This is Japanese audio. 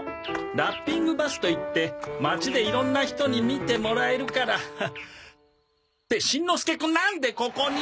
ラッピングバスといって街でいろんな人に見てもらえるから。ってしんのすけくんなんでここに！？